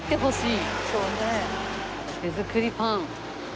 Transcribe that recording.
「手作りパン」。